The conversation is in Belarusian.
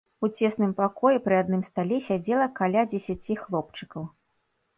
У цесным пакоі пры адным стале сядзела каля дзесяці хлопчыкаў.